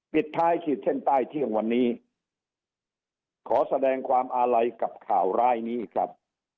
ปิดท้ายขีดเส้นใต้เที่ยงวันนี้ขอแสดงความอาลัยกับข่าวร้ายนี้ครับ